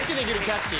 キャッチ。